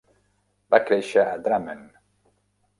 Va créixer a Drammen.